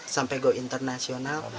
sampai go internasional